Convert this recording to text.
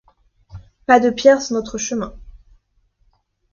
Pas de pierres sur notre chemin.